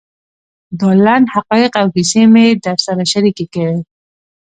دا لنډ حقایق او کیسې مې در سره شریکې کړې.